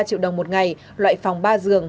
ba triệu đồng một ngày loại phòng ba dường